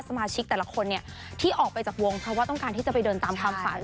สมาชิกแต่ละคนเนี่ยที่ออกไปจากวงเพราะว่าต้องการที่จะไปเดินตามความฝัน